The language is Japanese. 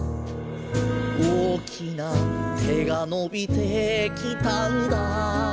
「おおきな手がのびてきたんだ」